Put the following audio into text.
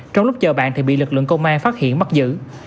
trong lúc chờ bạn thì bị lực lượng công an phát hiện mắc dữ